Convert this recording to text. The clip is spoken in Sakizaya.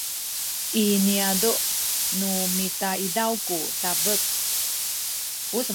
i niyazu’ nu mita izaw ku dabek